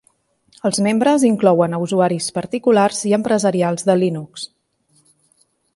Els membres inclouen a usuaris particulars i empresarials de Linux.